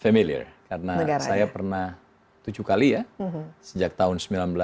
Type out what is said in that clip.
familiar karena saya pernah tujuh kali ya sejak tahun seribu sembilan ratus sembilan puluh